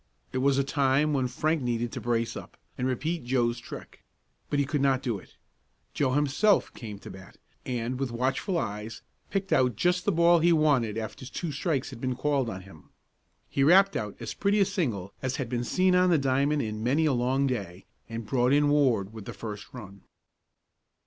It was a time when Frank needed to brace up, and repeat Joe's trick. But he could not do it. Joe himself came to the bat, and with watchful eyes picked out just the ball he wanted after two strikes had been called on him. He rapped out as pretty a single as had been seen on the diamond in many a long day, and brought in Ward with the first run.